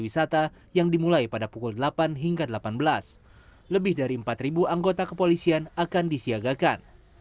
wisata yang dimulai pada pukul delapan hingga delapan belas lebih dari empat anggota kepolisian akan disiagakan